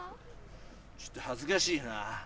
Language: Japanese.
ちょっと恥ずかしいな。